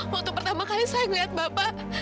waktu pertama kali saya ngeliat bapak